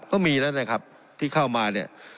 ก็มีแล้วนะครับที่เข้ามาเนี่ย